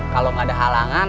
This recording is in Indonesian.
kalau gak ada halangan